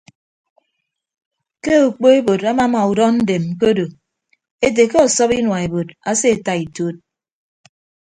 Ke okpoebod amama udọndem ke odo ete ke ọsọp inua ebod aseeta ituud.